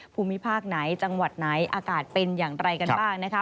ภูมิภาคไหนจังหวัดไหนอากาศเป็นอย่างไรกันบ้างนะคะ